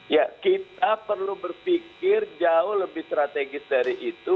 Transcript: ya kita perlu berpikir jauh lebih strategis dari itu